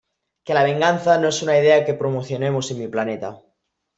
Que la venganza no es una idea que promocionemos en mi planeta.